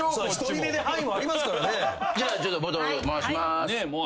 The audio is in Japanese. ちょっとボトル回します。